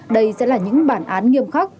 đây sẽ là những bản án nghiêm khắc